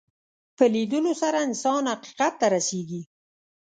په لیدلو سره انسان حقیقت ته رسېږي